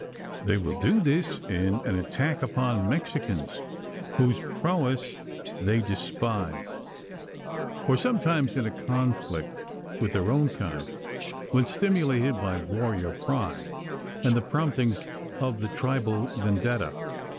They will do this in an attack upon Mexicans, whose prowess they despise; or sometimes in a conflict with their own kind when stimulated by warrior pride, and the promptings of the tribal vendetta.